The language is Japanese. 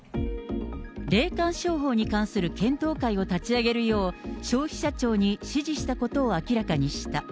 霊感商法に関する検討会を立ち上げるよう、消費者庁に指示したことを明らかにした。